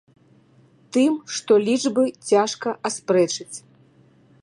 Тым, што лічбы цяжка аспрэчыць.